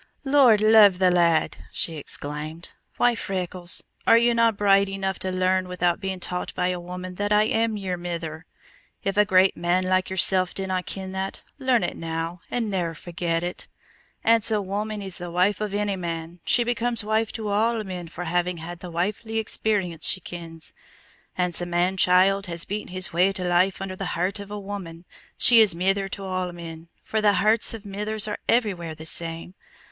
"Lord love the lad!" she exclaimed. "Why, Freckles, are ye no bright enough to learn without being taught by a woman that I am your mither? If a great man like yoursel' dinna ken that, learn it now and ne'er forget it. Ance a woman is the wife of any man, she becomes wife to all men for having had the wifely experience she kens! Ance a man child has beaten his way to life under the heart of a woman, she is mither to all men, for the hearts of mithers are everywhere the same.